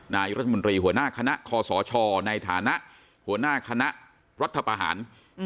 นายรัฐมนตรีหัวหน้าคณะคอสชในฐานะหัวหน้าคณะรัฐประหาร